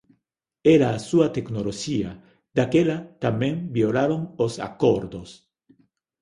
Era a súa tecnoloxía, daquela tamén violaron os Acordos.